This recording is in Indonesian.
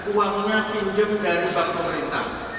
uangnya pinjem dari bank pemerintah